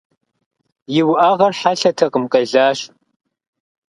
И уӏэгъэр хьэлъэтэкъыми къелащ.